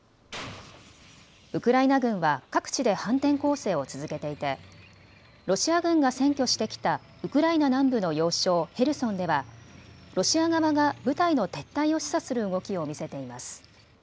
ウクライナ軍は各地で反転攻勢を続けていてロシア軍が占拠してきたウクライナ南部の要衝ヘルソンではロシア側が部隊の撤退を示唆する動きを見せています。